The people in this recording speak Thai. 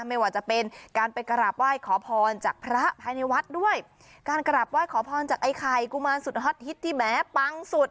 ไม่ว่าจะเป็นการไปกราบไหว้ขอพรจากพระภายในวัดด้วยการกราบไหว้ขอพรจากไอ้ไข่กุมารสุดฮอตฮิตที่แม้ปังสุด